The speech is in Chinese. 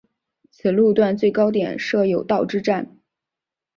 此路段最高点设有道之站。